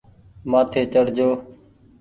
مآٿي چڙ جو۔